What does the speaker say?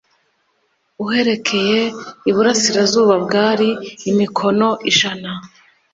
Aherekeye iburasirazuba bwari imikono ijana